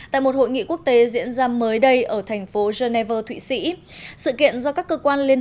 tại một hội nghị quốc tế diễn ra mới đây ở thành phố geneva thụy sĩ sự kiện do các cơ quan liên